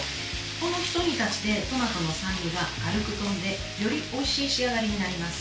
このひと煮立ちでトマトの酸味が軽く飛んでよりおいしい仕上がりになります。